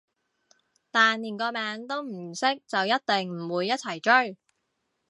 但連個名都唔識就一定唔會一齊追